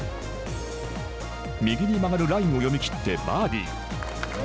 右に曲がるラインを読み切ってバーディー。